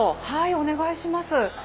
はいお願いします。